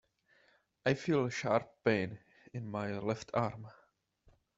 I feel a sharp pain in my left arm.